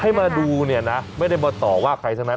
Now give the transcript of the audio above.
ให้มาดูเนี่ยนะไม่ได้มาต่อว่าใครทั้งนั้น